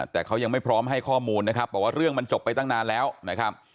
แต่เขายังไม่พร้อมให้ข้อมูลนะครับบอกว่าเรื่องมันจบไปตั้งนานแล้วนะครับ